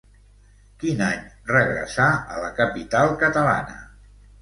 Quin any regressà a la capital catalana?